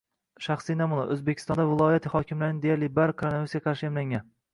Shaxsiy namuna. O‘zbekistonda viloyat hokimlarining deyarli bari koronavirusga qarshi emlangan